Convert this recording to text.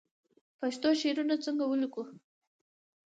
پښتو شعرونه څنګه ولیکو